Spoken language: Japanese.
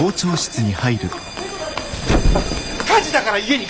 火事だから家に帰ろう。